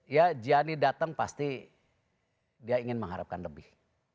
ya gianni datang pasti dia ingin mengharapkan lebih